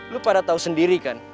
lo pada tau sendiri kan